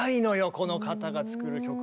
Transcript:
この方が作る曲は。